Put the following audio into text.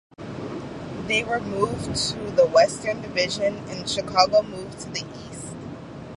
They were moved to the Western Division and Chicago moved to the East.